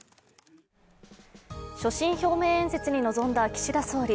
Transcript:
所信表明演説に臨んだ岸田総理。